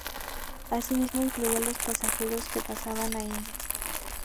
Asimismo, incluía a los pasajeros que pasaban a Indias.